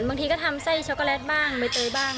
บางทีก็ทำไส้ช็อกโกแลตบ้างใบเตยบ้าง